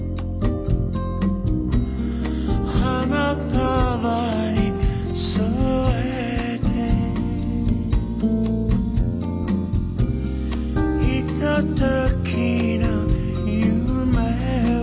「花束に添えて」「ひとときの夢を」